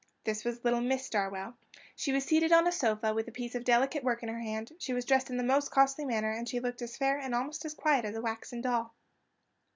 This was little Miss Darwell. She was seated on a sofa, with a piece of delicate work in her hand; she was dressed in the most costly manner, and she looked as fair and almost as quiet as a waxen doll.